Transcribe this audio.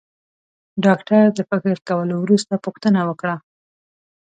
ډاکټر د فکر کولو وروسته پوښتنه وکړه.